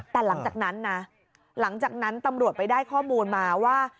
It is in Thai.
แต่หลังจากนั้นนะหลังจากนั้นตำรวจไปได้ข้อมูลมาว่า